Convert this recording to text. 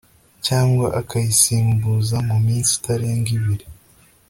cyangwa akayisimbuza mu minsi itarenga ibiri